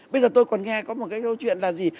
bây giờ tôi còn nghe có một cái câu chuyện là gì